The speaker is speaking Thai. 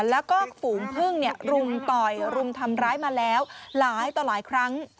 แล้วก็ฝูงพึ่งรุมต่อยรุมทำร้ายมาแล้วหลายต่อหลายครั้ง